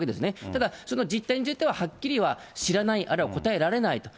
ただ、その実態についてははっきりは知らない、あるいは答えられないと。